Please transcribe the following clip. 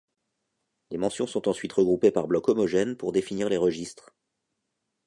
Les mentions sont ensuite regroupées par blocs homogènes pour définir les registres.